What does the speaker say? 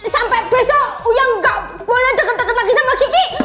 sampai besok uya nggak boleh deket deket lagi sama kiki